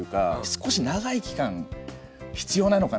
少し長い期間必要なのかなっていう。